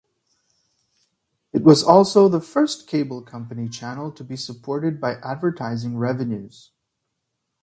It was also the first cable channel to be supported by advertising revenues.